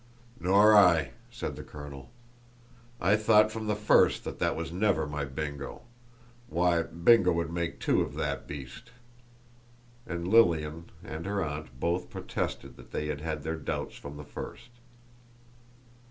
"Nor I," said the colonel; "I thought from the first that was never my Bingo. Why, Bingo would make two of that beast!" And Lilian and her aunt both protested that they had had their doubts from the first.